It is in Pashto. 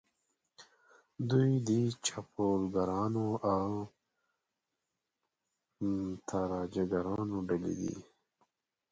دوی د چپاولګرانو او تاراجګرانو ډلې دي.